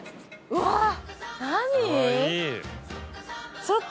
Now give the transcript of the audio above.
うわ！何？